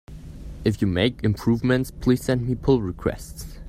If you make improvements, please send me pull requests!